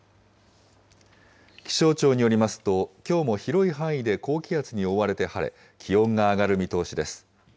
気象庁によりますと、きょうも広い範囲で高気圧に覆われて晴れ、気温が上がる見通しです。